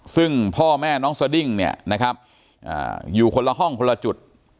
ซึ่งพ่อแม่น้องสดิ้งเนี่ยนะครับอยู่คนละห้องคนละจุด